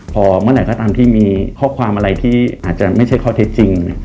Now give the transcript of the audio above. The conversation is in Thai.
พอเมื่อไหร่ก็ตามที่มีข้อความอะไรที่อาจจะไม่ใช่ข้อเท็จจริง